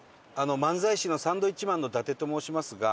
漫才師のサンドウィッチマンの伊達と申しますが。